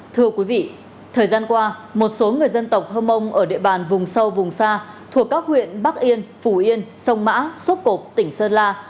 thưa quý vị thời gian qua một số người dân tộc hơ mông ở địa bàn vùng sâu vùng xa thuộc các huyện bắc yên phủ yên sông mã sốt cộp tỉnh sơn la